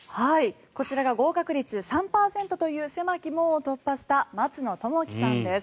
こちらが合格率３％という狭き門を突破した松野知紀さんです。